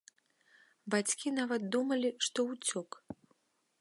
Бацькі нават думалі, што ўцёк!